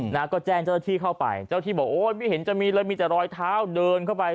นะก็แจ้งเจ้าหน้าที่เข้าไปเจ้าที่บอกโอ้ยไม่เห็นจะมีเลยมีแต่รอยเท้าเดินเข้าไป